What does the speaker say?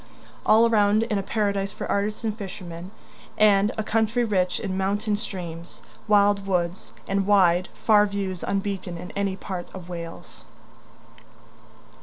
All around is a paradise for artists and fishermen, and a country rich in mountain streams, wild woods, and wide, far views unbeaten in any part of Wales.